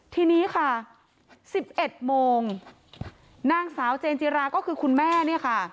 ทีนี้ค่ะ๑๑โมงนางสาวเจนจิราก็คือคุณแม่เนี่ยค่ะ